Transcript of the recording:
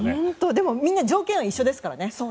でも、みんな条件は一緒ですからね。